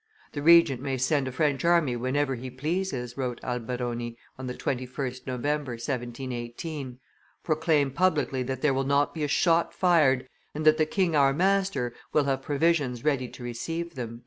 "The Regent may send a French army whenever he pleases," wrote Alberoni, on the 21st November, 1718; "proclaim publicly that there will not be a shot fired, and that the king our master will have provisions ready to receive them."